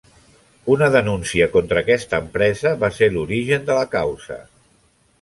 Una denúncia contra aquesta empresa va ser l'origen de la causa.